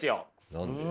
何で？